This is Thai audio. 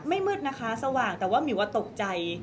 มืดนะคะสว่างแต่ว่าหมิวว่าตกใจ